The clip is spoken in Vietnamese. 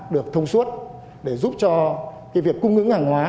được thông suốt để giúp cho cái việc cung ứng hàng hóa